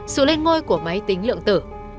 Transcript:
sự lên ngôi của máy tính lượng tử